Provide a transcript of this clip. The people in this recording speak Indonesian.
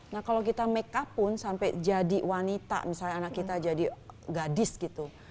nah kalau kita makeup in sampai jadi wanita misalnya anak kita jadi gadis gitu